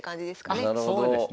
あっそうですね。